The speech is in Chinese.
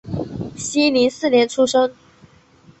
熙宁四年出生。